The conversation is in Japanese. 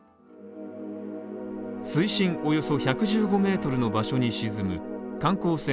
水深およそ１１５ｍの場所に沈む観光船